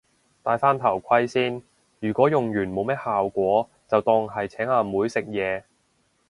戴返頭盔先，如果用完冇咩效果就當係請阿妹食嘢